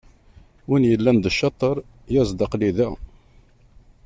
Win yellan d ccaṭer, yaẓ-d aql-i da.